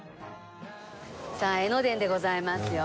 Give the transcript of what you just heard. さあ江ノ電でございますよ。